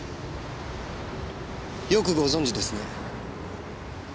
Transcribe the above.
よくご存じですね。